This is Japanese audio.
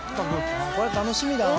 うわこれは楽しみだな。